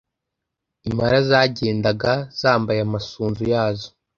Impara zagendaga zambaye amasunzu yazo